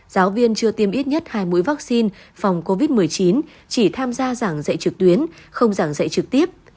giáo viên chưa tiêm ít nhất hai mũi vaccine phòng covid một mươi chín chỉ tham gia giảng dạy trực tuyến không giảng dạy trực tiếp